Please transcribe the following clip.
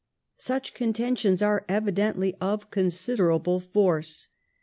Such contentions are evidently of considerable force.